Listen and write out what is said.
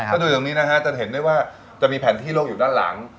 ถ้าดูอย่างนี้นะฮะจะเห็นได้ว่าจะมีแผนที่โลกอยู่ด้านหลัง